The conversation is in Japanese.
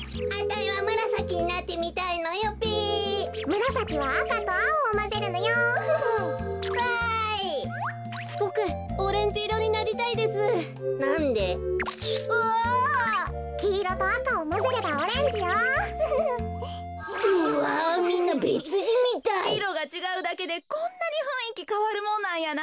いろがちがうだけでこんなにふんいきかわるもんなんやな。